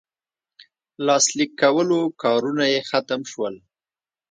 لاسلیک کولو کارونه یې ختم سول.